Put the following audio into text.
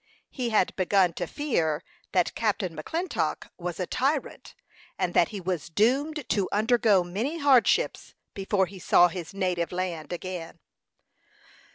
He had begun to fear that Captain McClintock was a tyrant, and that he was doomed to undergo many hardships before he saw his native land again.